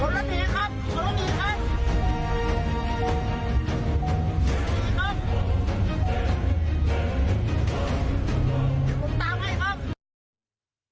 ผมตามให้ครับ